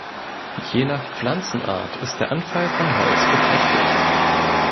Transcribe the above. Je nach Pflanzenart ist der Anfall von Holz beträchtlich.